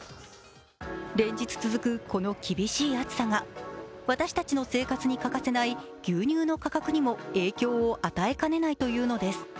連日続くこの厳しい暑さが私たちの生活に欠かせない牛乳の価格にも影響を与えかねないというのです。